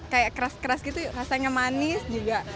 kayak keras keras gitu rasanya manis juga